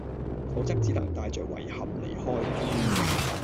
否則只能帶著遺憾離開